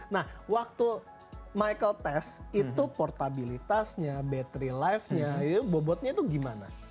nah waktu michael test itu portabilitasnya battery life nya bobotnya itu gimana